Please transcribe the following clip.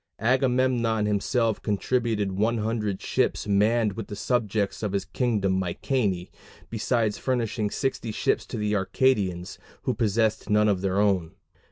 Agamemnon himself contributed 100 ships manned with the subjects of his kingdom Mycenæ, besides furnishing 60 ships to the Arcadians, who possessed none of their own.